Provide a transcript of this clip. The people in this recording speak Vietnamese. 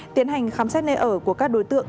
tiến hành khám xét nơi ở của các đối tượng